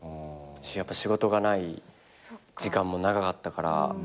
やっぱ仕事がない時間も長かったから。